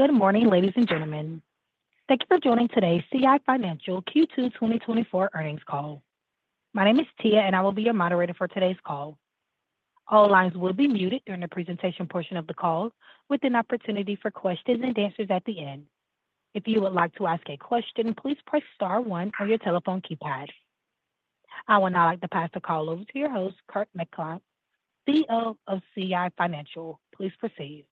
Good morning, ladies and gentlemen. Thank you for joining today's CI Financial Q2 2024 earnings call. My name is Tia, and I will be your moderator for today's call. All lines will be muted during the presentation portion of the call, with an opportunity for questions and answers at the end. If you would like to ask a question, please press star one on your telephone keypad. I would now like to pass the call over to your host, Kurt MacAlpine, CEO of CI Financial. Please proceed.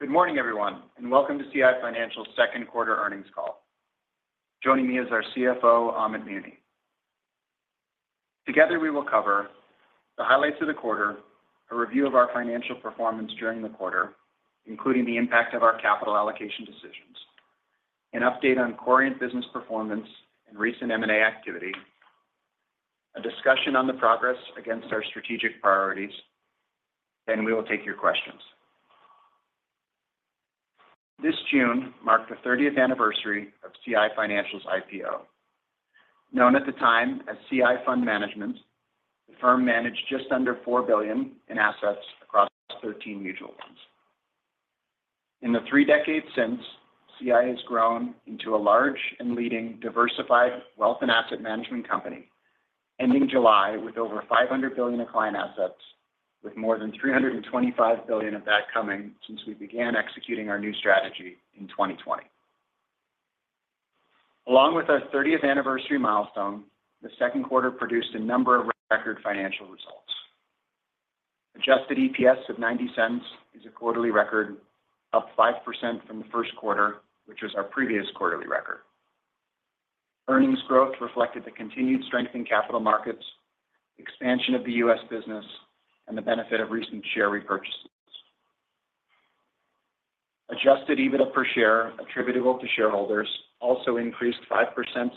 Good morning, everyone, and welcome to CI Financial's second quarter earnings call. Joining me is our CFO, Amit Muni. Together, we will cover the highlights of the quarter, a review of our financial performance during the quarter, including the impact of our capital allocation decisions, an update on Corient business performance and recent M&A activity, a discussion on the progress against our strategic priorities, then we will take your questions. This June marked the 30th anniversary of CI Financial's IPO. Known at the time as CI Fund Management, the firm managed just under 4 billion in assets across 13 mutual funds. In the three decades since, CI has grown into a large and leading diversified wealth and asset management company, ending July with over 500 billion of client assets, with more than 325 billion of that coming since we began executing our new strategy in 2020. Along with our 30th anniversary milestone, the second quarter produced a number of record financial results. Adjusted EPS of 0.90 is a quarterly record, up 5% from the first quarter, which was our previous quarterly record. Earnings growth reflected the continued strength in capital markets, expansion of the U.S. business, and the benefit of recent share repurchases. Adjusted EBITDA per share, attributable to shareholders, also increased 5%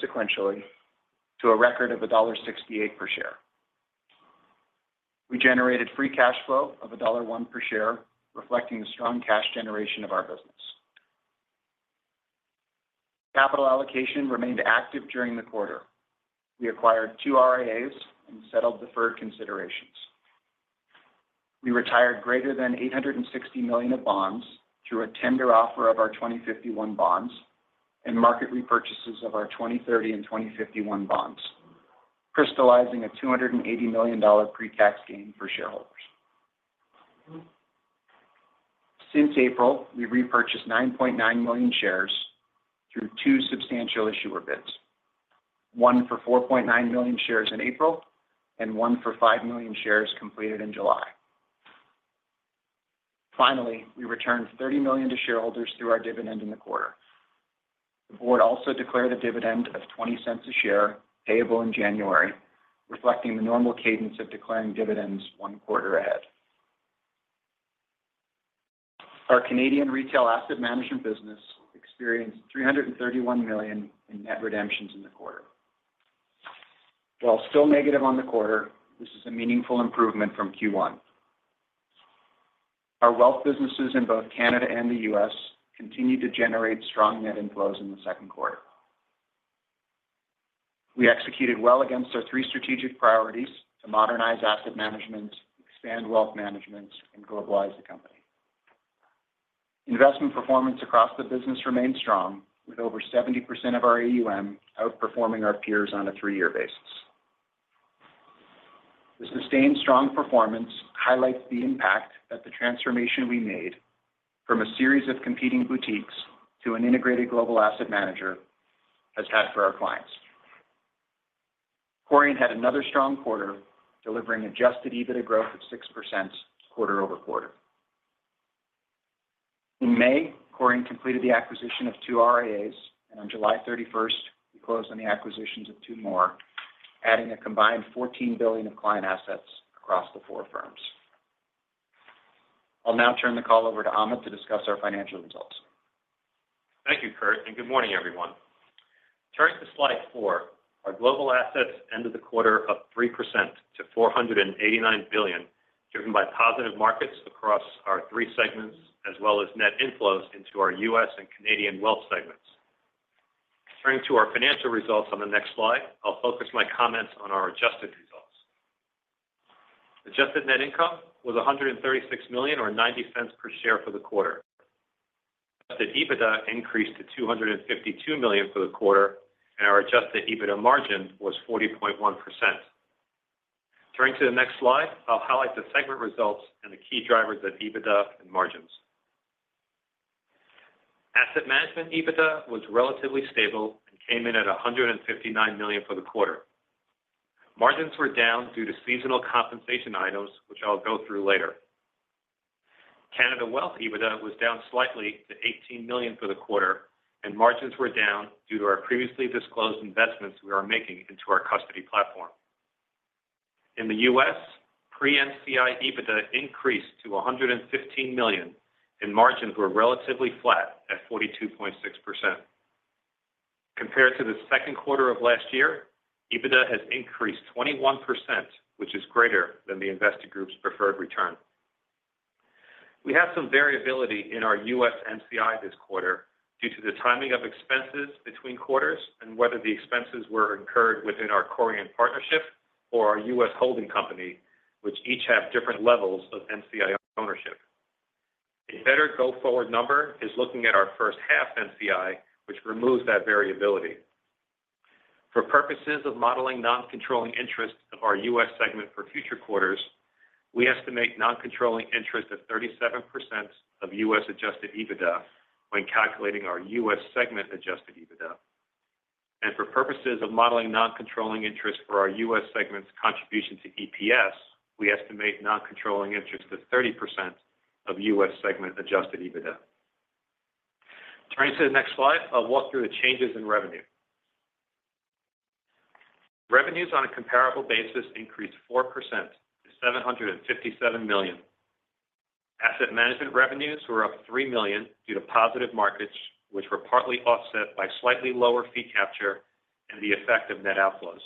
sequentially to a record of dollar 1.68 per share. We generated free cash flow of dollar 1.01 per share, reflecting the strong cash generation of our business. Capital allocation remained active during the quarter. We acquired two RIAs and settled deferred considerations. We retired greater than 860 million of bonds through a tender offer of our 2051 bonds and market repurchases of our 2030 and 2051 bonds, crystallizing a 280 million dollar pre-tax gain for shareholders. Since April, we repurchased 9.9 million shares through two substantial issuer bids, one for 4.9 million shares in April and one for 5 million shares completed in July. Finally, we returned 30 million to shareholders through our dividend in the quarter. The board also declared a dividend of 0.20 a share, payable in January, reflecting the normal cadence of declaring dividends one quarter ahead. Our Canadian retail asset management business experienced 331 million in net redemptions in the quarter. While still negative on the quarter, this is a meaningful improvement from Q1. Our wealth businesses in both Canada and the U.S. continued to generate strong net inflows in the second quarter. We executed well against our three strategic priorities to modernize asset management, expand wealth management, and globalize the company. Investment performance across the business remained strong, with over 70% of our AUM outperforming our peers on a three-year basis. The sustained strong performance highlights the impact that the transformation we made from a series of competing boutiques to an integrated global asset manager has had for our clients. Corient had another strong quarter, delivering adjusted EBITDA growth of 6% quarter-over-quarter. In May, Corient completed the acquisition of two RIAs, and on July 31st, we closed on the acquisitions of two more, adding a combined 14 billion of client assets across the four firms. I'll now turn the call over to Amit to discuss our financial results. Thank you, Kurt, and good morning, everyone. Turning to slide four, our global assets ended the quarter up 3% to 489 billion, driven by positive markets across our three segments, as well as net inflows into our U.S. and Canadian wealth segments. Turning to our financial results on the next slide, I'll focus my comments on our adjusted results. Adjusted net income was 136 million, or 0.90 per share for the quarter. The EBITDA increased to 252 million for the quarter, and our adjusted EBITDA margin was 40.1%. Turning to the next slide, I'll highlight the segment results and the key drivers of EBITDA and margins. Asset Management EBITDA was relatively stable and came in at 159 million for the quarter. Margins were down due to seasonal compensation items, which I'll go through later. Canada Wealth EBITDA was down slightly to 18 million for the quarter, and margins were down due to our previously disclosed investments we are making into our custody platform. In the U.S., pre-NCI EBITDA increased to 115 million, and margins were relatively flat at 42.6%. Compared to the second quarter of last year, EBITDA has increased 21%, which is greater than the investor group's preferred return. We have some variability in our U.S. NCI this quarter due to the timing of expenses between quarters and whether the expenses were incurred within our Corient partnership, or our U.S. holding company, which each have different levels of NCI ownership. A better go-forward number is looking at our first half NCI, which removes that variability. For purposes of modeling non-controlling interest of our U.S. segment for future quarters, we estimate non-controlling interest at 37% of U.S. adjusted EBITDA when calculating our U.S. segment adjusted EBITDA. For purposes of modeling non-controlling interest for our U.S. segment's contribution to EPS, we estimate non-controlling interest to 30% of U.S. segment adjusted EBITDA. Turning to the next slide, I'll walk through the changes in revenue. Revenues on a comparable basis increased 4% to 757 million. Asset management revenues were up 3 million due to positive markets, which were partly offset by slightly lower fee capture and the effect of net outflows.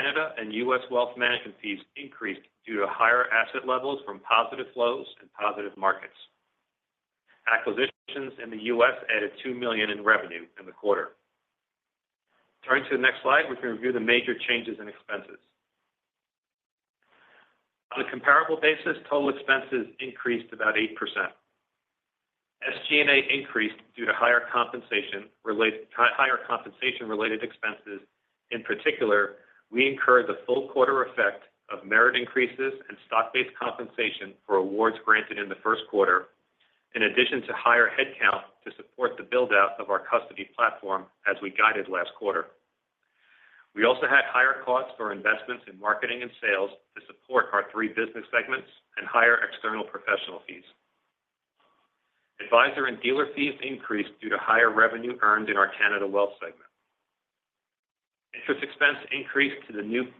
Canada and U.S. wealth management fees increased due to higher asset levels from positive flows and positive markets. Acquisitions in the U.S. added 2 million in revenue in the quarter. Turning to the next slide, we can review the major changes in expenses. On a comparable basis, total expenses increased about 8%. SG&A increased due to higher compensation-related expenses. In particular, we incurred the full quarter effect of merit increases and stock-based compensation for awards granted in the first quarter, in addition to higher headcount to support the build-out of our custody platform as we guided last quarter. We also had higher costs for investments in marketing and sales to support our three business segments and higher external professional fees. Advisor and dealer fees increased due to higher revenue earned in our Canada Wealth segment. Interest expense increased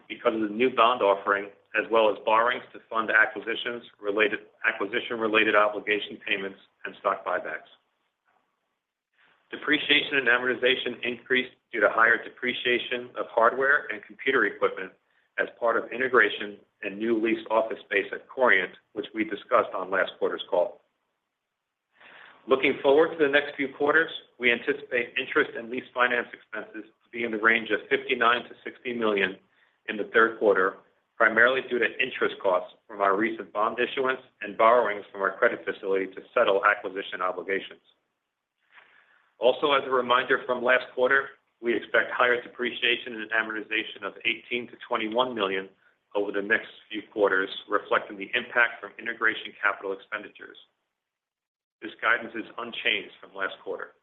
because of the new bond offering, as well as borrowings to fund acquisition-related obligation payments and stock buybacks. Depreciation and amortization increased due to higher depreciation of hardware and computer equipment as part of integration and new leased office space at Corient, which we discussed on last quarter's call. Looking forward to the next few quarters, we anticipate interest and lease finance expenses to be in the range of 59 million-60 million in the third quarter, primarily due to interest costs from our recent bond issuance and borrowings from our credit facility to settle acquisition obligations. Also, as a reminder from last quarter, we expect higher depreciation and amortization of 18 million-21 million over the next few quarters, reflecting the impact from integration capital expenditures. This guidance is unchanged from last quarter.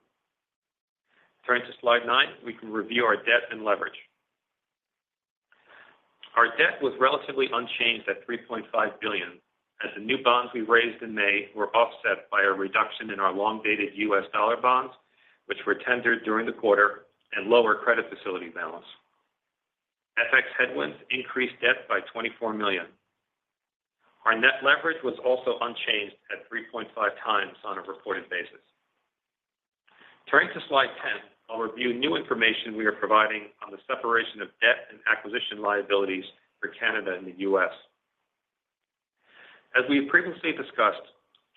Turning to slide nine, we can review our debt and leverage. Our debt was relatively unchanged at 3.5 billion, as the new bonds we raised in May were offset by a reduction in our long-dated U.S. dollar bonds, which were tendered during the quarter and lower credit facility balance. FX headwinds increased debt by 24 million. Our net leverage was also unchanged at 3.5x on a reported basis. Turning to slide 10, I'll review new information we are providing on the separation of debt and acquisition liabilities for Canada and the U.S. As we have previously discussed,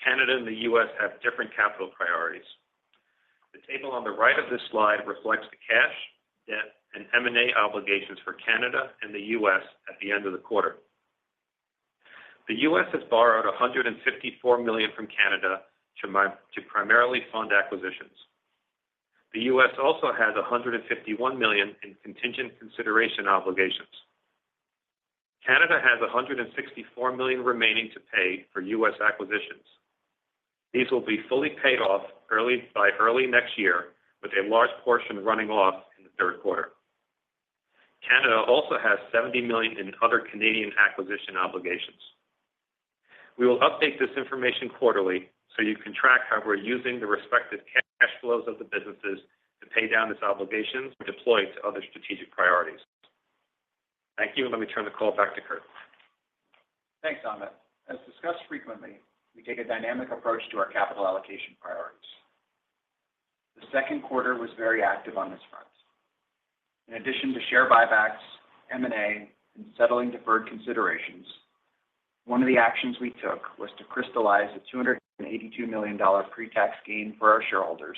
Canada and the U.S. have different capital priorities. The table on the right of this slide reflects the cash, debt, and M&A obligations for Canada and the U.S. at the end of the quarter. The U.S. has borrowed 154 million from Canada to primarily fund acquisitions. The U.S. also has 151 million in contingent consideration obligations. Canada has 164 million remaining to pay for U.S. acquisitions. These will be fully paid off early by early next year, with a large portion running off in the third quarter. Canada also has 70 million in other Canadian acquisition obligations. We will update this information quarterly, so you can track how we're using the respective cash flows of the businesses to pay down these obligations or deploy to other strategic priorities. Thank you. Let me turn the call back to Kurt. Thanks, Amit. As discussed frequently, we take a dynamic approach to our capital allocation priorities. The second quarter was very active on this front. In addition to share buybacks, M&A, and settling deferred considerations, one of the actions we took was to crystallize a 282 million dollar pre-tax gain for our shareholders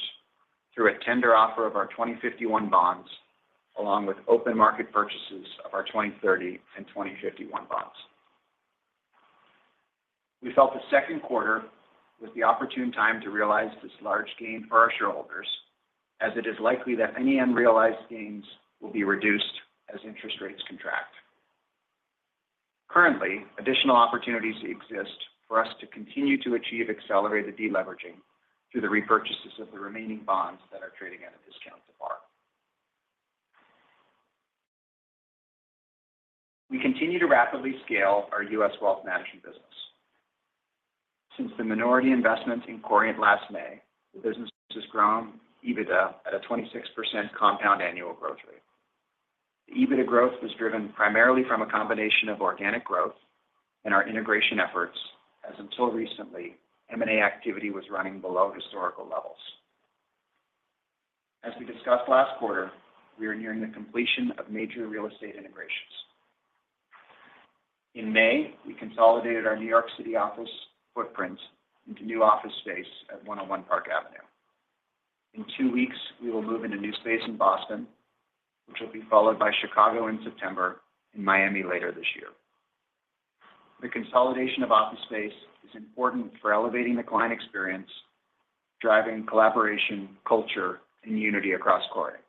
through a tender offer of our 2051 bonds, along with open market purchases of our 2030 and 2051 bonds. We felt the second quarter was the opportune time to realize this large gain for our shareholders, as it is likely that any unrealized gains will be reduced as interest rates contract. Currently, additional opportunities exist for us to continue to achieve accelerated deleveraging through the repurchases of the remaining bonds that are trading at a discount to par. We continue to rapidly scale our U.S. wealth management business. Since the minority investment in Corient last May, the business has grown EBITDA at a 26% compound annual growth rate. The EBITDA growth was driven primarily from a combination of organic growth and our integration efforts, as until recently, M&A activity was running below historical levels. As we discussed last quarter, we are nearing the completion of major real estate integrations. In May, we consolidated our New York City office footprint into new office space at 101 Park Avenue. In two weeks, we will move into new space in Boston, which will be followed by Chicago in September and Miami later this year. The consolidation of office space is important for elevating the client experience, driving collaboration, culture, and unity across Corient.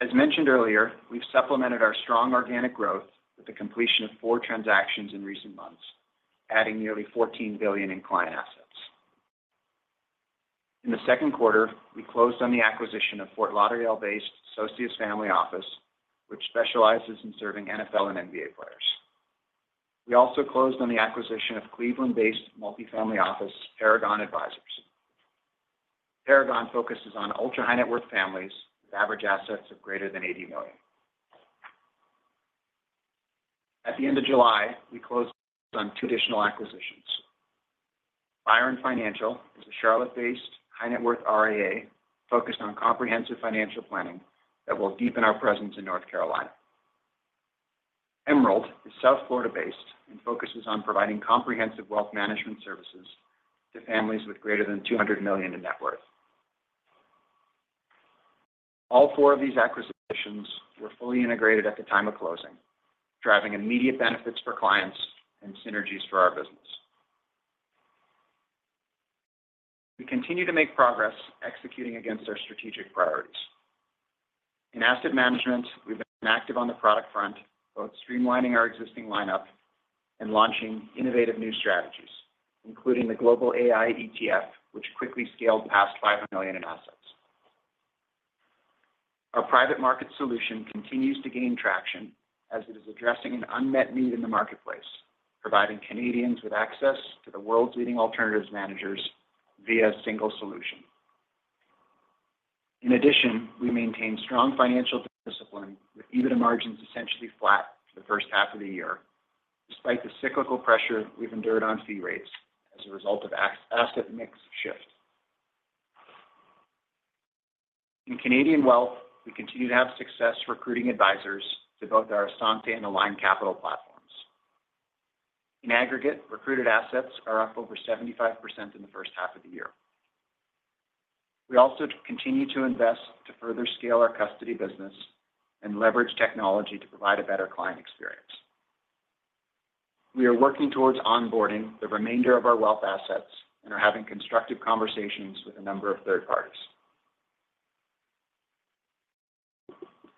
As mentioned earlier, we've supplemented our strong organic growth with the completion of four transactions in recent months, adding nearly 14 billion in client assets. In the second quarter, we closed on the acquisition of Fort Lauderdale-based Socius Family Office, which specializes in serving NFL and NBA players. We also closed on the acquisition of Cleveland-based multi-family office, Paragon Advisors. Paragon focuses on ultra-high net worth families with average assets of greater than 80 million. At the end of July, we closed on two additional acquisitions. Byron Financial is a Charlotte-based high net worth RIA, focused on comprehensive financial planning that will deepen our presence in North Carolina. Emerald is South Florida-based and focuses on providing comprehensive wealth management services to families with greater than 200 million in net worth. All four of these acquisitions were fully integrated at the time of closing, driving immediate benefits for clients and synergies for our business. We continue to make progress executing against our strategic priorities. In asset management, we've been active on the product front, both streamlining our existing lineup and launching innovative new strategies, including the Global AI ETF, which quickly scaled past 500 million in assets. Our private market solution continues to gain traction as it is addressing an unmet need in the marketplace, providing Canadians with access to the world's leading alternatives managers via a single solution. In addition, we maintain strong financial discipline, with EBITDA margins essentially flat for the first half of the year, despite the cyclical pressure we've endured on fee rates as a result of asset mix shift. In Canadian Wealth, we continue to have success recruiting advisors to both our Assante and Aligned Capital platforms. In aggregate, recruited assets are up over 75% in the first half of the year. We also continue to invest to further scale our custody business and leverage technology to provide a better client experience. We are working towards onboarding the remainder of our wealth assets and are having constructive conversations with a number of third parties.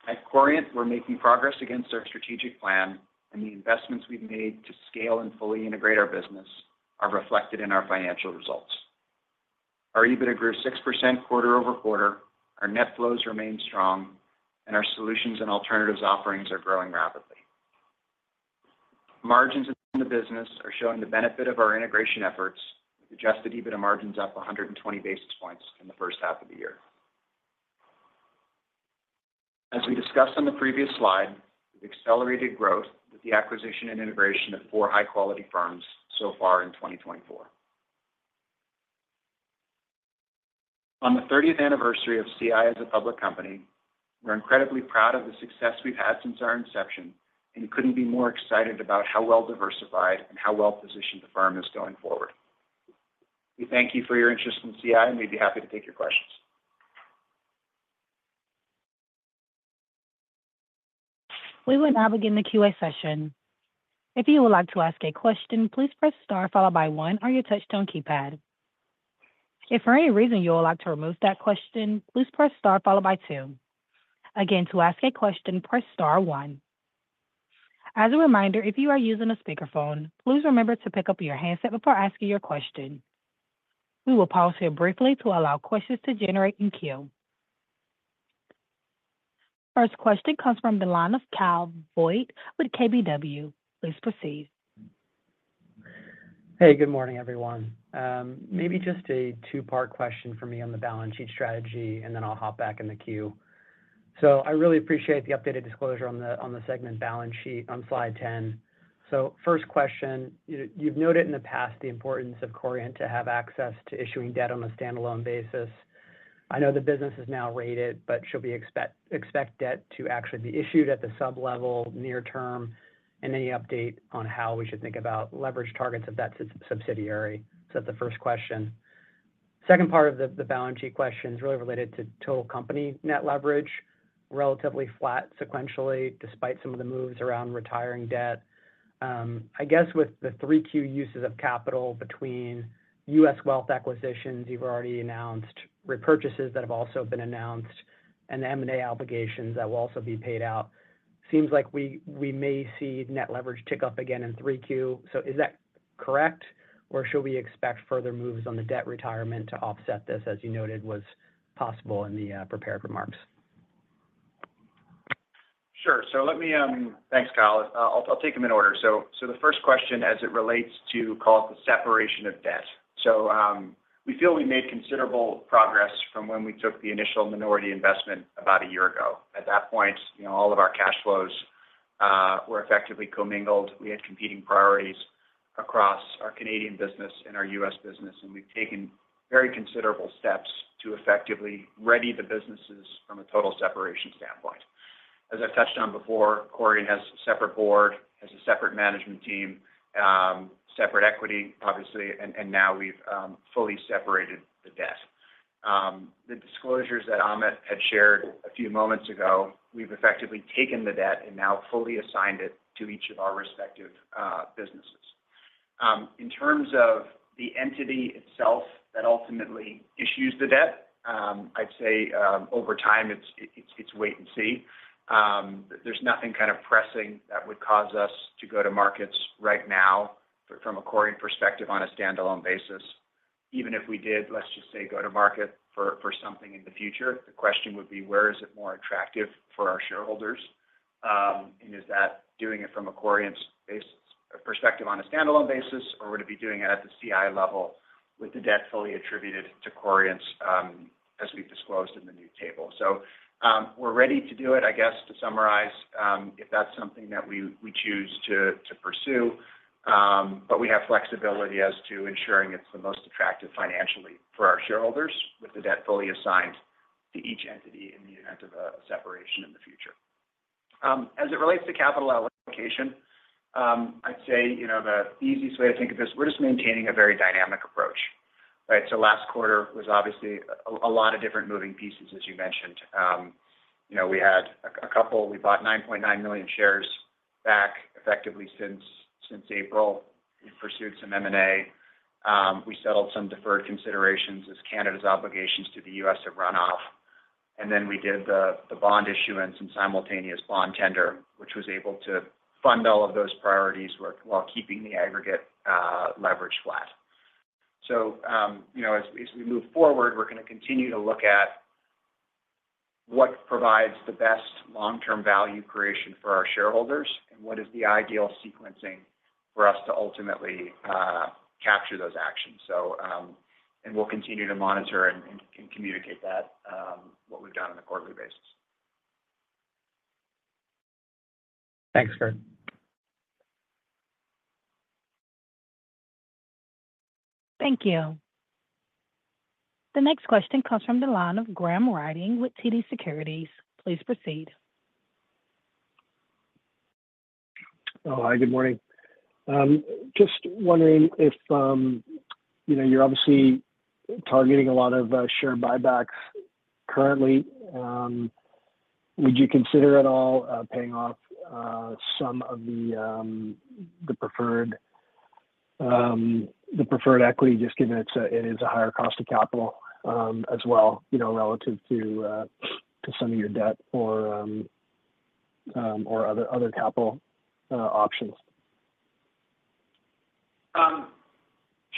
At Corient, we're making progress against our strategic plan, and the investments we've made to scale and fully integrate our business are reflected in our financial results. Our EBITDA grew 6% quarter-over-quarter, our net flows remain strong, and our solutions and alternatives offerings are growing rapidly. Margins in the business are showing the benefit of our integration efforts, with adjusted EBITDA margins up 100 basis points in the first half of the year. As we discussed on the previous slide, we've accelerated growth with the acquisition and integration of four high-quality firms so far in 2024. On the 30th anniversary of CI as a public company, we're incredibly proud of the success we've had since our inception, and couldn't be more excited about how well diversified and how well-positioned the firm is going forward. We thank you for your interest in CI, and we'd be happy to take your questions. We will now begin the Q&A session. If you would like to ask a question, please press star followed by one on your touchtone keypad. If for any reason you would like to remove that question, please press star followed by two. Again, to ask a question, press star one. As a reminder, if you are using a speakerphone, please remember to pick up your handset before asking your question. We will pause here briefly to allow questions to generate in queue. First question comes from the line of Kyle Voigt with KBW. Please proceed. Hey, good morning, everyone. Maybe just a two-part question for me on the balance sheet strategy, and then I'll hop back in the queue. So I really appreciate the updated disclosure on the, on the segment balance sheet on slide 10. So first question, you, you've noted in the past the importance of Corient to have access to issuing debt on a standalone basis. I know the business is now rated, but should we expect, expect debt to actually be issued at the sub-level near term, and any update on how we should think about leverage targets of that subsidiary? So that's the first question. Second part of the, the balance sheet question is really related to total company net leverage, relatively flat sequentially, despite some of the moves around retiring debt. I guess with the 3Q uses of capital between U.S. wealth acquisitions, you've already announced repurchases that have also been announced, and the M&A obligations that will also be paid out. Seems like we, we may see net leverage tick up again in 3Q. So is that correct, or should we expect further moves on the debt retirement to offset this, as you noted, was possible in the prepared remarks? Sure. So let me. Thanks, Kyle. I'll take them in order. So, the first question as it relates to, call it, the separation of debt. So, we feel we made considerable progress from when we took the initial minority investment about a year ago. At that point, you know, all of our cash flows were effectively commingled. We had competing priorities across our Canadian business and our U.S. business, and we've taken very considerable steps to effectively ready the businesses from a total separation standpoint. As I've touched on before, Corient has a separate board, has a separate management team, separate equity, obviously, and now we've fully separated the debt. The disclosures that Amit had shared a few moments ago, we've effectively taken the debt and now fully assigned it to each of our respective businesses. In terms of the entity itself that ultimately issues the debt, I'd say, over time, it's wait and see. There's nothing kind of pressing that would cause us to go to markets right now from a Corient perspective on a standalone basis. Even if we did, let's just say, go to market for something in the future, the question would be, where is it more attractive for our shareholders? And is that doing it from a Corient's base perspective on a standalone basis, or would it be doing it at the CI level with the debt fully attributed to Corient's, as we've disclosed in the new table? So, we're ready to do it, I guess, to summarize, if that's something that we choose to pursue, but we have flexibility as to ensuring it's the most attractive financially for our shareholders, with the debt fully assigned to each entity in the event of a separation in the future. As it relates to capital allocation, I'd say, you know, the easiest way to think of this, we're just maintaining a very dynamic approach, right? So last quarter was obviously a lot of different moving pieces, as you mentioned. You know, we had a couple, we bought 9.9 million shares back effectively since April. We pursued some M&A. We settled some deferred considerations as Canadian obligations to the U.S. have run off, and then we did the bond issuance and simultaneous bond tender, which was able to fund all of those priorities while keeping the aggregate leverage flat. You know, as we move forward, we're gonna continue to look at what provides the best long-term value creation for our shareholders and what is the ideal sequencing for us to ultimately capture those actions. And we'll continue to monitor and communicate that what we've done on a quarterly basis. Thanks, Kurt. Thank you. The next question comes from the line of Graham Ryding with TD Securities. Please proceed. Oh, hi, good morning. Just wondering if, you know, you're obviously targeting a lot of share buybacks currently. Would you consider at all paying off some of the preferred equity, just given it is a higher cost of capital, as well, you know, relative to some of your debt or other capital options?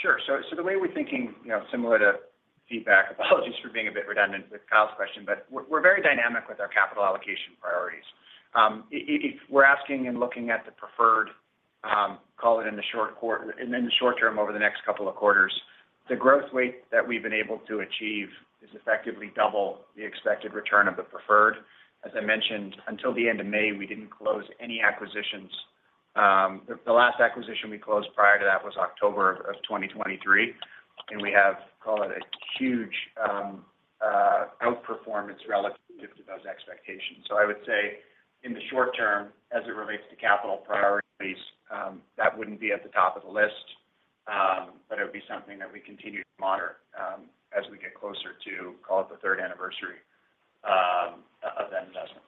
Sure. So the way we're thinking, you know, similar to feedback, apologies for being a bit redundant with Kyle's question, but we're very dynamic with our capital allocation priorities. If we're asking and looking at the preferred, call it in the short term, over the next couple of quarters, the growth rate that we've been able to achieve is effectively double the expected return of the preferred. As I mentioned, until the end of May, we didn't close any acquisitions. The last acquisition we closed prior to that was October of 2023, and we have, call it, a huge outperformance relative to those expectations. So I would say in the short term, as it relates to capital priorities, that wouldn't be at the top of the list, but it would be something that we continue to monitor, as we get closer to, call it the third anniversary, of that investment.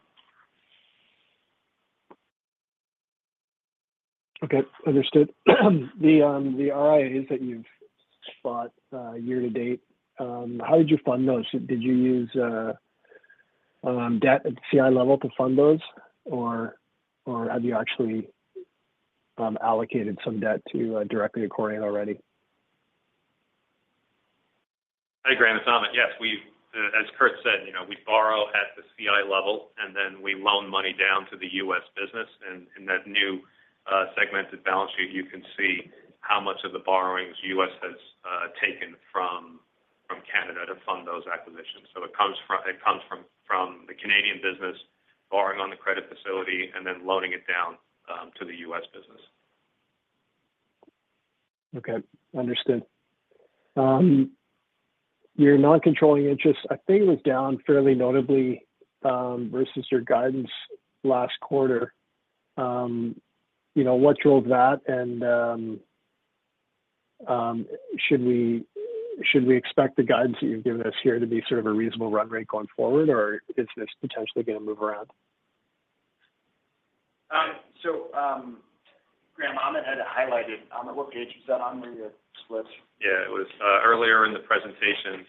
Okay, understood. The RIAs that you've bought year to date, how did you fund those? Did you use debt at the CI level to fund those, or have you actually allocated some debt to directly to Corient already? Hi, Graham, it's Amit. Yes, we've, as Kurt said, you know, we borrow at the CI level, and then we loan money down to the U.S. business. And in that new, segmented balance sheet, you can see how much of the borrowings U.S. has taken from Canada to fund those acquisitions. So it comes from the Canadian business, borrowing on the credit facility and then loaning it down to the U.S. business. Okay, understood. Your non-controlling interest, I think, was down fairly notably versus your guidance last quarter. You know, what drove that? And, should we, should we expect the guidance that you've given us here to be sort of a reasonable run rate going forward, or is this potentially going to move around? Graham, Amit had highlighted. Amit, what page is that on, where you split? Yeah, it was earlier in the presentation,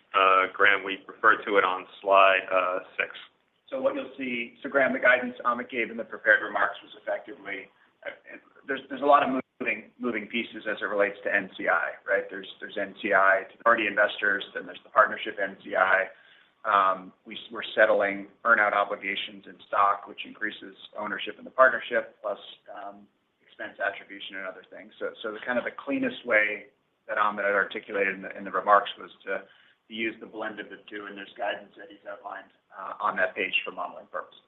Graham, we referred to it on slide six. So what you'll see, so Graham, the guidance Amit gave in the prepared remarks was effectively, there's a lot of moving pieces as it relates to NCI, right? There's NCI to the party investors, then there's the partnership NCI. We're settling earn out obligations in stock, which increases ownership in the partnership, plus expense attribution and other things. So the kind of the cleanest way that Amit articulated in the remarks was to use the blend of the two, and there's guidance that he's outlined on that page for modeling purposes.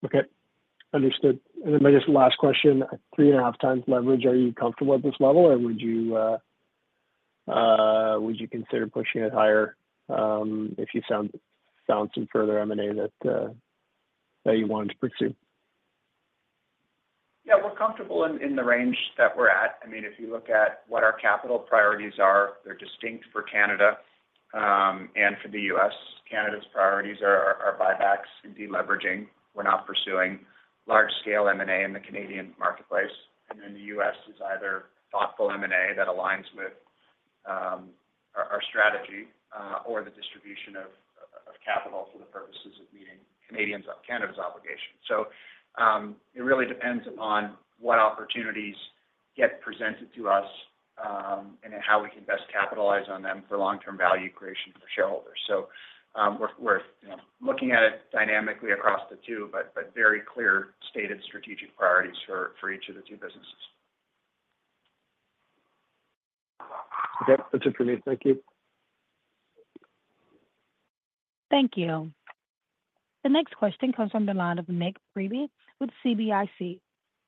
Okay, understood. And then my just last question, 3.5x leverage, are you comfortable at this level, or would you consider pushing it higher, if you found some further M&A that you wanted to pursue? Yeah, we're comfortable in the range that we're at. I mean, if you look at what our capital priorities are, they're distinct for Canada and for the U.S. Canada's priorities are buybacks and deleveraging. We're not pursuing large-scale M&A in the Canadian marketplace. And then the U.S. is either thoughtful M&A that aligns with our strategy or the distribution of capital for the purposes of meeting Canada's obligations. So, it really depends upon what opportunities get presented to us and how we can best capitalize on them for long-term value creation for shareholders. So, we're, you know, looking at it dynamically across the two, but very clear stated strategic priorities for each of the two businesses. Okay. That's it for me. Thank you. Thank you. The next question comes from the line of Nik Priebe with CIBC.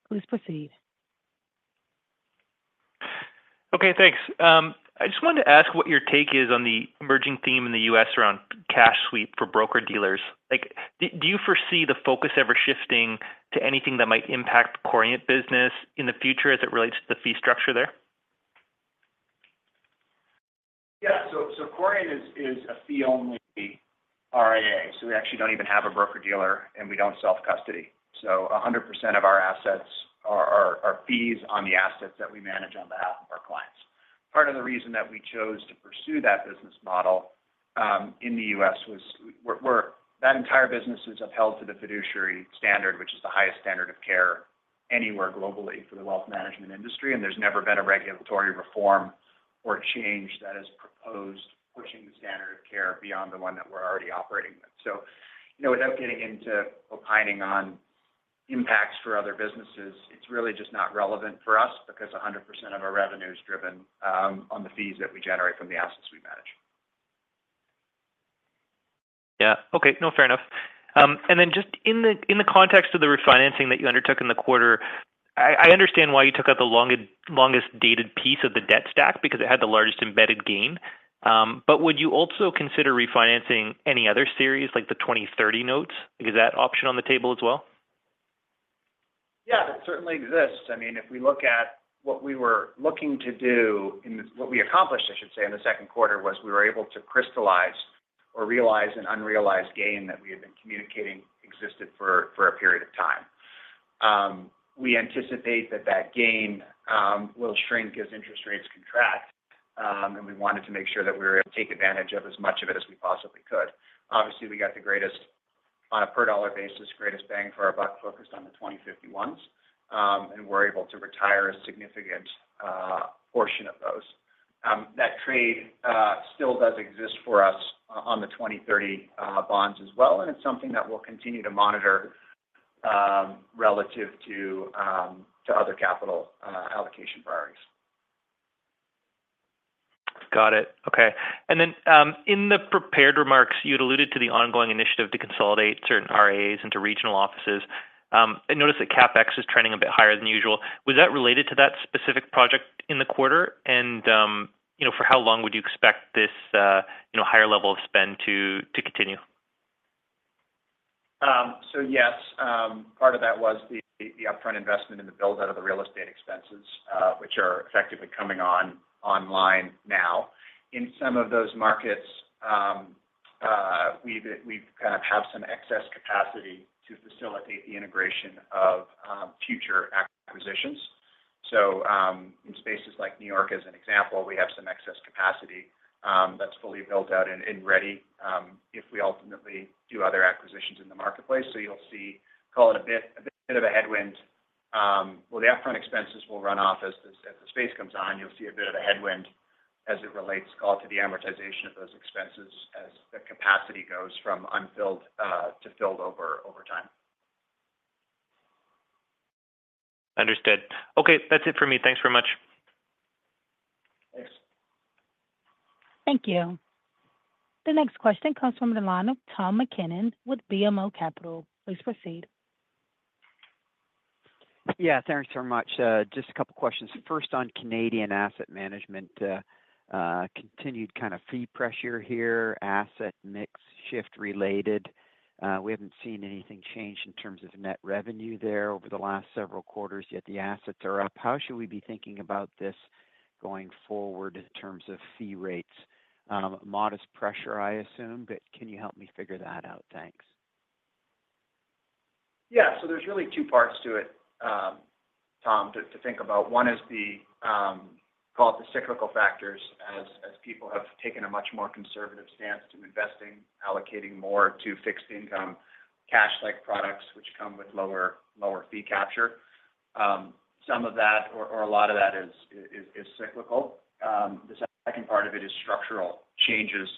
Please proceed. Okay, thanks. I just wanted to ask what your take is on the emerging theme in the U.S. around cash sweep for broker-dealers. Like, do you foresee the focus ever shifting to anything that might impact Corient business in the future as it relates to the fee structure there? Yeah. So Corient is a fee-only RIA, so we actually don't even have a broker-dealer, and we don't self-custody. So 100% of our assets are fees on the assets that we manage on behalf of our clients. Part of the reason that we chose to pursue that business model in the U.S. was we're, that entire business is upheld to the fiduciary standard, which is the highest standard of care anywhere globally for the wealth management industry, and there's never been a regulatory reform or change that is proposed, pushing the standard of care beyond the one that we're already operating with. So, you know, without getting into opining on impacts for other businesses, it's really just not relevant for us because 100% of our revenue is driven on the fees that we generate from the assets we manage. Yeah. Okay. No, fair enough. And then just in the, in the context of the refinancing that you undertook in the quarter, I understand why you took out the longest dated piece of the debt stack because it had the largest embedded gain. But would you also consider refinancing any other series, like the 2030 notes? Is that option on the table as well? Yeah, that certainly exists. I mean, if we look at what we were looking to do in the second quarter, what we accomplished, I should say, was we were able to crystallize or realize an unrealized gain that we had been communicating existed for a period of time. We anticipate that that gain will shrink as interest rates contract, and we wanted to make sure that we were able to take advantage of as much of it as we possibly could. Obviously, we got the greatest, on a per dollar basis, greatest bang for our buck, focused on the 2051s, and we're able to retire a significant portion of those. That trade still does exist for us on the 2030 bonds as well, and it's something that we'll continue to monitor relative to other capital allocation priorities. Got it. Okay. And then, in the prepared remarks, you'd alluded to the ongoing initiative to consolidate certain RIAs into regional offices. I noticed that CapEx is trending a bit higher than usual. Was that related to that specific project in the quarter? And, you know, for how long would you expect this, you know, higher level of spend to continue? So yes, part of that was the upfront investment in the build-out of the real estate expenses, which are effectively coming online now. In some of those markets, we've kind of have some excess capacity to facilitate the integration of future acquisitions. So, in spaces like New York, as an example, we have some excess capacity that's fully built out and ready if we ultimately do other acquisitions in the marketplace. So you'll see, call it a bit of a headwind. Well, the upfront expenses will run off as the space comes on. You'll see a bit of a headwind as it relates, call to the amortization of those expenses as the capacity goes from unfilled to filled over time. Understood. Okay, that's it for me. Thanks very much. Thanks. Thank you. The next question comes from the line of Tom MacKinnon with BMO Capital. Please proceed. Yeah, thanks so much. Just a couple questions. First, on Canadian asset management, continued kind of fee pressure here, asset mix shift related. We haven't seen anything change in terms of net revenue there over the last several quarters, yet the assets are up. How should we be thinking about this going forward in terms of fee rates? Modest pressure, I assume, but can you help me figure that out? Thanks. Yeah. So there's really two parts to it, Tom, to think about. One is the cyclical factors, as people have taken a much more conservative stance to investing, allocating more to fixed income, cash-like products, which come with lower fee capture. Some of that or a lot of that is cyclical. The second part of it is structural changes,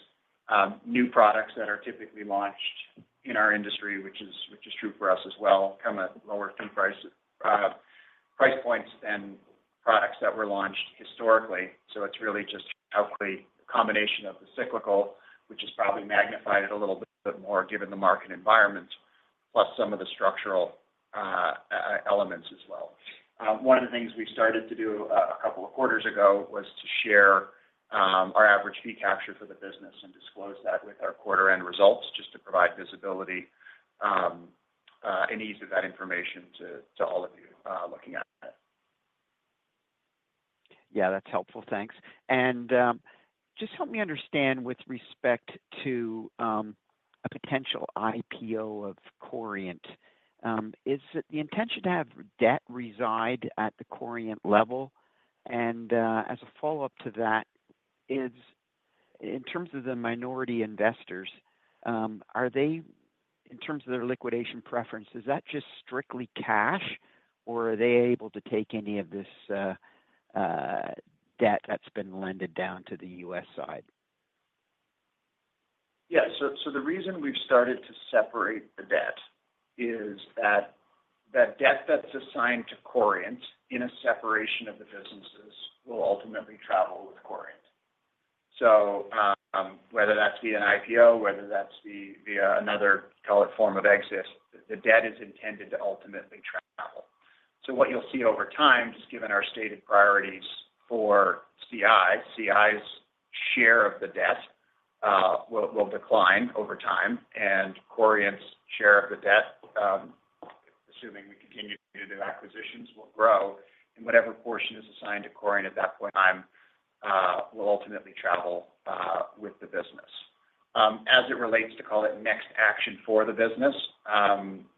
new products that are typically launched in our industry, which is true for us as well, come at lower fee price points than products that were launched historically. So it's really just hopefully a combination of the cyclical, which is probably magnified it a little bit more given the market environment, plus some of the structural elements as well. One of the things we started to do a couple of quarters ago was to share our average fee capture for the business and disclose that with our quarter-end results, just to provide visibility and ease of that information to all of you looking at that. Yeah, that's helpful. Thanks. And, just help me understand with respect to a potential IPO of Corient. Is it the intention to have debt reside at the Corient level? And, as a follow-up to that, is, in terms of the minority investors, are they, in terms of their liquidation preference, is that just strictly cash, or are they able to take any of this debt that's been lended down to the U.S. side? Yeah. So, so the reason we've started to separate the debt is that, that debt that's assigned to Corient in a separation of the businesses will ultimately travel with Corient. So, whether that's via an IPO, whether that's via, via another, call it, form of exit, the debt is intended to ultimately travel. So what you'll see over time, just given our stated priorities for CI, CI's share of the debt, will decline over time, and Corient's share of the debt, assuming we continue to do the acquisitions, will grow, and whatever portion is assigned to Corient at that point in time, will ultimately travel, with the business. As it relates to, call it, next action for the business,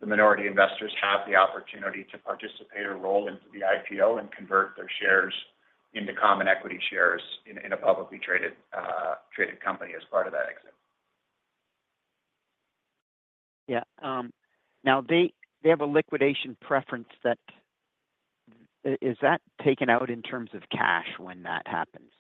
the minority investors have the opportunity to participate or roll into the IPO and convert their shares into common equity shares in, in a publicly traded, traded company as part of that exit. Yeah. Now they have a liquidation preference that. Is that taken out in terms of cash when that happens?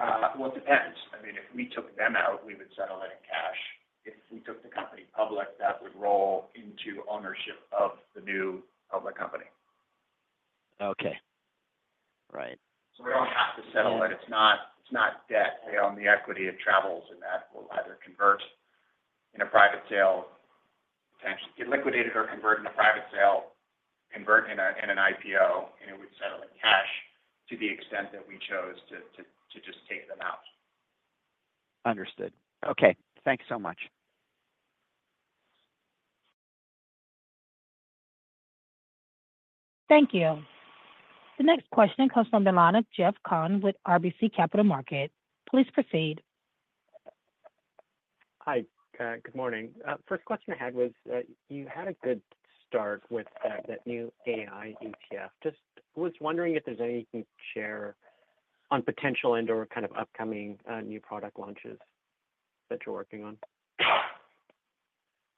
Well, it depends. I mean, if we took them out, we would settle it in cash. If we took the company public, that would roll into ownership of the new public company. Okay. Right. So we don't have to settle it. It's not, it's not debt. They own the equity, it travels, and that will either convert in a private sale, potentially get liquidated or convert in a private sale, convert in an IPO, and it would settle in cash to the extent that we chose to just take them out. Understood. Okay. Thanks so much. Thank you. The next question comes from the line of Geoff Kwan with RBC Capital Markets. Please proceed. Hi. Good morning. First question I had was, you had a good start with, that new AI ETF. Just was wondering if there's anything you can share on potential and/or kind of upcoming, new product launches that you're working on?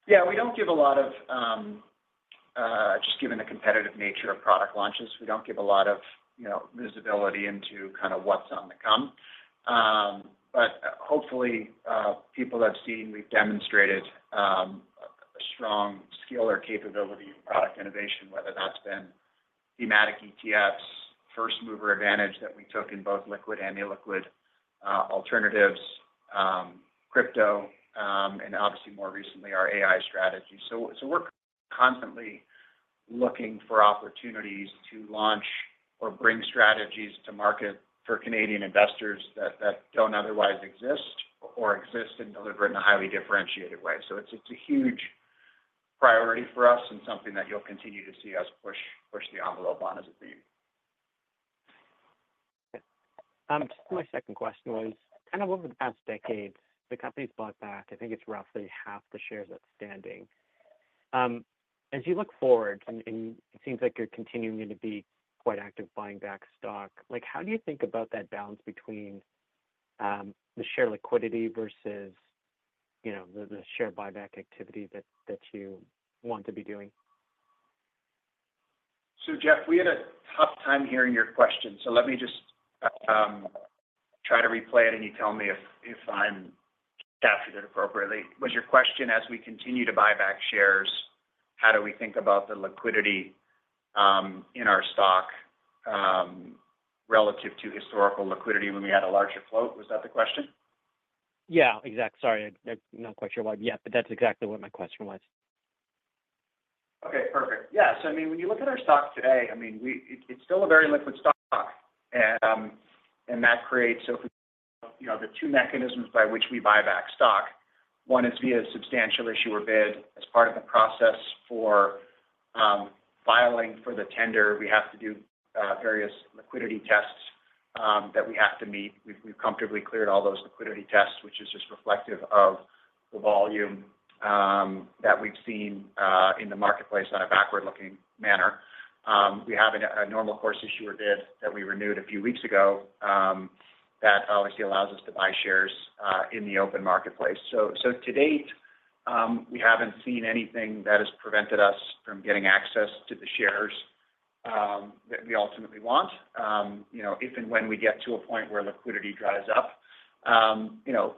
Yeah, we don't give a lot of, just given the competitive nature of product launches, we don't give a lot of, you know, visibility into kind of what's to come. But hopefully, people have seen, we've demonstrated, a strong skill or capability in product innovation, whether that's been thematic ETFs, first mover advantage that we took in both liquid and illiquid alternatives, crypto, and obviously more recently, our AI strategy. So, so we're constantly looking for opportunities to launch or bring strategies to market for Canadian investors that, that don't otherwise exist or exist and deliver in a highly differentiated way. So it's, it's a huge priority for us and something that you'll continue to see us push, push the envelope on as a theme. Just my second question was, kind of over the past decade, the company's bought back, I think it's roughly half the shares outstanding. As you look forward, and it seems like you're continuing to be quite active buying back stock, like, how do you think about that balance between the share liquidity versus, you know, the share buyback activity that you want to be doing? So, Geoff, we had a tough time hearing your question, so let me just try to replay it and you tell me if I'm capturing it appropriately. Was your question, as we continue to buy back shares, how do we think about the liquidity in our stock relative to historical liquidity when we had a larger float? Was that the question? Yeah, exactly. Sorry. I'm not quite sure why. Yeah, but that's exactly what my question was. Okay, perfect. Yeah, so I mean, when you look at our stock today, I mean, we, it's still a very liquid stock. And, and that creates, so, you know, the two mechanisms by which we buy back stock. One is via Substantial Issuer Bid. As part of the process for, filing for the tender, we have to do, various liquidity tests, that we have to meet. We've, we've comfortably cleared all those liquidity tests, which is just reflective of the volume, that we've seen, in the marketplace on a backward-looking manner. We have a, a Normal Course Issuer Bid that we renewed a few weeks ago, that obviously allows us to buy shares, in the open marketplace. So, so to date, we haven't seen anything that has prevented us from getting access to the shares, that we ultimately want. You know, if and when we get to a point where liquidity dries up, you know,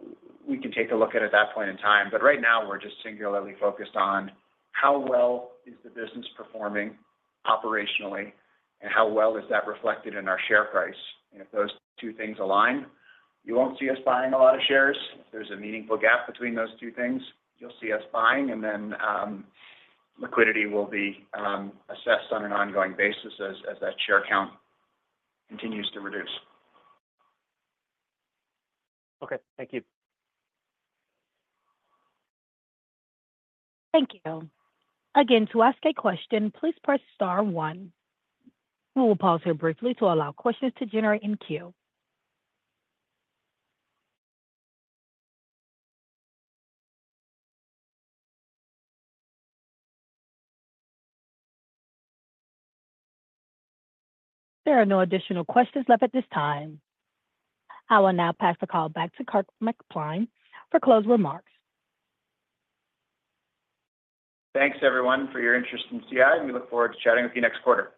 we can take a look at it at that point in time. But right now, we're just singularly focused on how well is the business performing operationally, and how well is that reflected in our share price. And if those two things align, you won't see us buying a lot of shares. If there's a meaningful gap between those two things, you'll see us buying, and then, liquidity will be assessed on an ongoing basis as that share count continues to reduce. Okay. Thank you. Thank you. Again, to ask a question, please press star one. We will pause here briefly to allow questions to generate in queue. There are no additional questions left at this time. I will now pass the call back to Kurt MacAlpine for closing remarks. Thanks, everyone, for your interest in CI, and we look forward to chatting with you next quarter.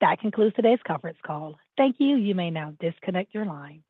That concludes today's conference call. Thank you. You may now disconnect your line.